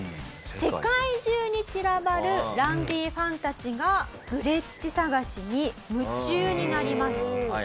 世界中に散らばるランディファンたちがグレッチ探しに夢中になります。